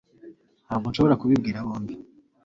ntabwo nshobora kubibwira bombi